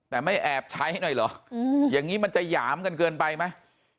แต่ไม่แอบใช้หน่อยเหรออย่างนี้มันจะหยามกันเกินไปไหม